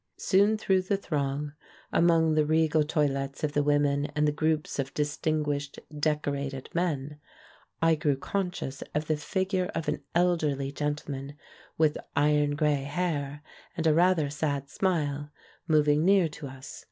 Soon through the throng — among the regal toilettes of the women, and the groups of dis tinguished, "decorated" men — I grew conscious of the figure of an elderly gentleman, with iron grey hair and a rather sad smile, moving near to us.